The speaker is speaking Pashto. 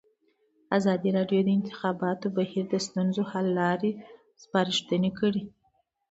ازادي راډیو د د انتخاباتو بهیر د ستونزو حل لارې سپارښتنې کړي.